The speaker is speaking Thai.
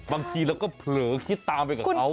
บางทีเราก็เผลอคิดตามไปกับเขา